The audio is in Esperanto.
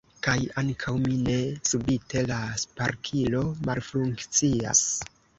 Kaj ankaŭ mi ne, subite la sparkilo malfunkcias.